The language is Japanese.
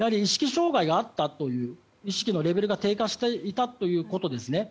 障害があったという意識のレベルが低下していたということですね。